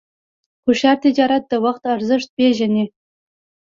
هوښیار تجارت د وخت ارزښت پېژني.